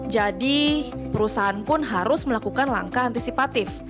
jadi perusahaan pun harus melakukan langkah antisipatif